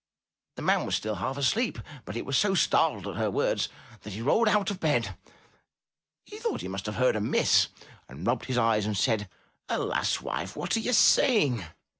The man was still half asleep, but he was so startled at her words that he rolled out of bed. He thought he must have heard amiss, and rubbed his eyes and said, "Alas, wife, what are you saying?"